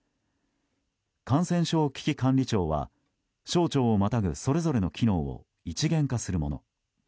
感染症危機管理庁は省庁をまたぐそれぞれの機能を一元化するもの。